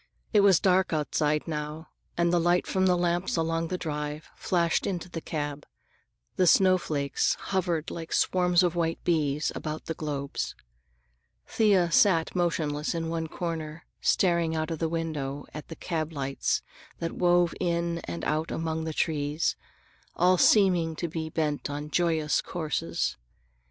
It was dark outside now, and the light from the lamps along the drive flashed into the cab. The snowflakes hovered like swarms of white bees about the globes. Thea sat motionless in one corner staring out of the window at the cab lights that wove in and out among the trees, all seeming to be bent upon joyous courses.